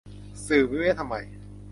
สื่อมีไว้ทำไม